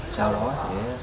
sau đó sẽ